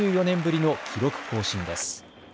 ６４年ぶりの記録更新です。